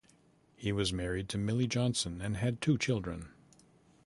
He was married to Milly Johnson and had two children.